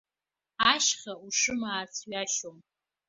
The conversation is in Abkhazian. Ашьха ушымаац ҩашьом.